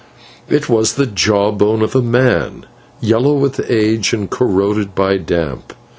It was the jawbone of a man, yellow with age, and corroded by damp.